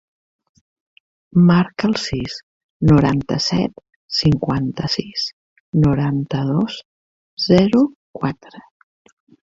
Marca el sis, noranta-set, cinquanta-sis, noranta-dos, zero, quatre.